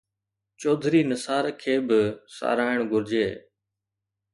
چوڌري نثار کي به ساراهڻ گهرجي.